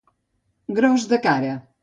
Gros de cara.